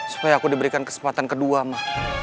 supaya aku diberikan kesempatan kedua mah